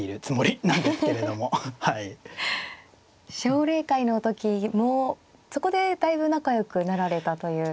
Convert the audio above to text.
奨励会の時もそこでだいぶ仲よくなられたという。